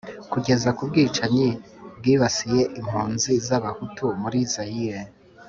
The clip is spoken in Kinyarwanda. ukageza ku bwicanyi bwibasiye impunzi z'abahutu muri zayire